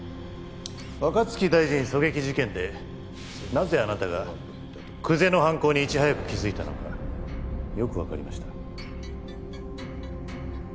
若槻大臣狙撃事件でなぜあなたが久瀬の犯行にいち早く気づいたのかよくわかりました。